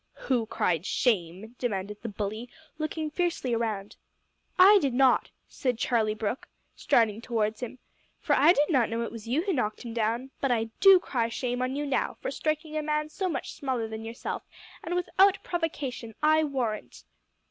"Who cried shame?" demanded the bully, looking fiercely round. "I did not," said Charlie Brooke, striding towards him, "for I did not know it was you who knocked him down, but I do cry shame on you now, for striking a man so much smaller than yourself, and without provocation, I warrant."